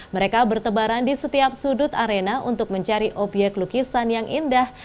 mereka bertebaran di setiap sudut arena untuk mencari obyek lukisan yang indah